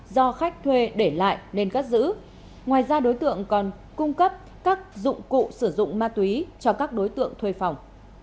do khách thuê để lại nên cất giữ ngoài ra đối tượng còn cung cấp các dụng cụ sử dụng ma túy cho các đối tượng thuê phòng